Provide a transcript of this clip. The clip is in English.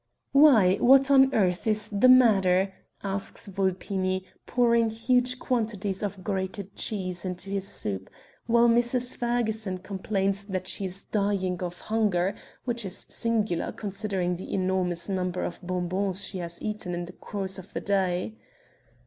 "Why, what on earth is the matter?" asks Vulpini pouring huge quantities of grated cheese into his soup, while Mrs. Ferguson complains that she is dying of hunger, which is singular, considering the enormous number of bonbons she has eaten in the course of the day.